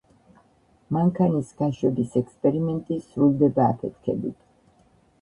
მანქანის გაშვების ექსპერიმენტი სრულდება აფეთქებით.